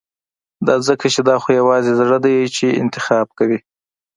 دا ځکه چې دا خو يوازې زړه دی چې انتخاب کوي.